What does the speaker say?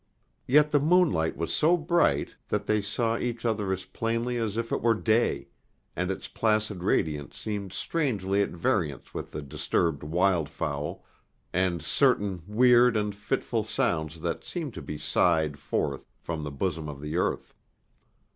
Yet the moonlight was so bright that they saw each other as plainly as if it were day, and its placid radiance seemed strangely at variance with the disturbed wild fowl, and certain weird and fitful sounds that seemed to be sighed forth from the bosom of the earth.